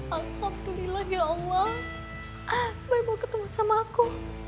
alhamdulillah ya allah baru mau ketemu sama aku